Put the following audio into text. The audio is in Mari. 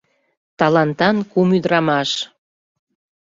Талантан кум ӱдырамаш!